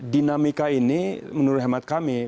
dinamika ini menurut hemat kami